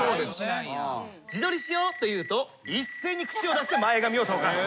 「自撮りしよう」と言うと一斉にくしを出して前髪をとかす。